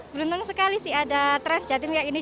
beruntung sekali sih ada trans jatim ya ini